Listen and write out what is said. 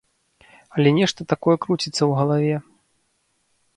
Але нешта такое круціцца ў галаве.